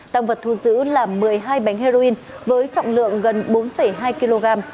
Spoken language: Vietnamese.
tăng vật thu giữ là một mươi hai bánh heroin với trọng lượng gần bốn hai kg